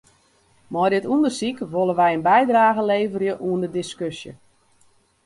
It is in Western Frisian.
Mei dit ûndersyk wolle wy in bydrage leverje oan de diskusje.